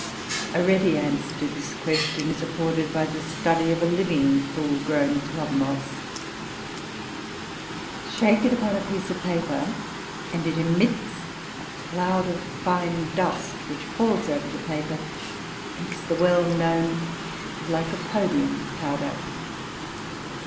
A ready answer to this question is afforded by the study of a living full grown club moss. Shake it upon a piece of paper, and it emits a cloud of fine dust, which falls over the paper, and is the well known Lycopodium powder.